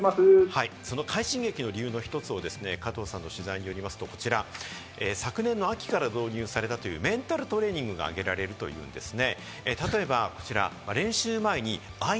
快進撃の一つを加藤さんの取材によりますと、こちら、昨年の秋から導入されたというメンタルトレーニングが挙げられるというんですね。